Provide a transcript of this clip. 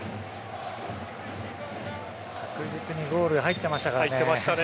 確実にゴールに入ってましたからね。